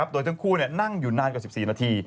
โดยทั้งคู่นั่งอยู่นานกว่า๑๔นาที